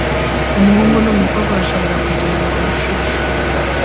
umuhungu n umukobwa bashobora kugirana ubucuti